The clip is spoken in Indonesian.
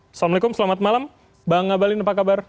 assalamualaikum selamat malam bang abalin apa kabar